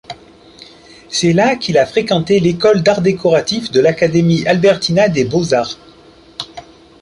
C'est là qu'il a fréquenté l'école d'arts décoratifs de l'Académie Albertina des Beaux-Arts.